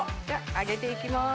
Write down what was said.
上げていきます。